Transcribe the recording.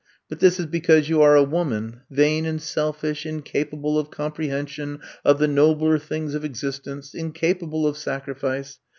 But this is because you are a woman, vain and selfish, incapa ble of comprehension of the nobler things of existence — ^incapable of sacrifice.